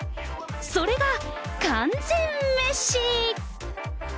それが完全メシ。